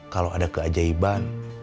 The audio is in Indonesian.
kalau ada keajaiban